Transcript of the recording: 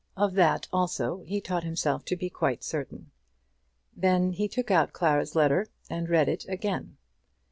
Of that also he taught himself to be quite certain. Then he took out Clara's letter and read it again.